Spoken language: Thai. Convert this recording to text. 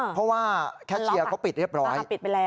เพราะว่าแคร์ชี้อร์ก็ปิดเรียบร้อย